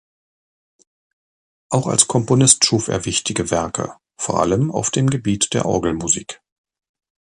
Auch als Komponist schuf er wichtige Werke, vor allem auf dem Gebiet der Orgelmusik.